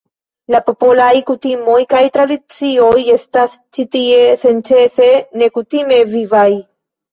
La popolaj kutimoj kaj tradicioj estas ĉi tie senĉese nekutime vivaj.